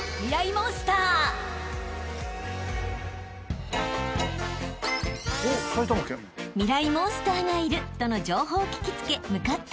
モンスターがいるとの情報を聞き付け向かった先は］